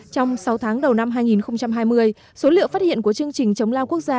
trong sáu tháng đầu năm hai nghìn hai mươi số liệu phát hiện của chương trình chống lao quốc gia